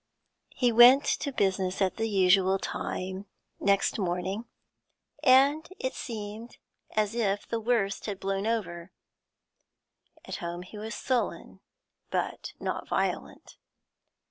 He went to business at the usual time next morning, and it seemed as if the worst had blown over; at home he was sullen, but not violent.